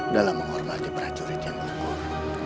dalam menghormati prajurit yang lemah